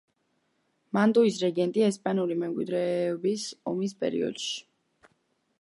მანტუის რეგენტი ესპანური მემკვიდრეობის ომის პერიოდში.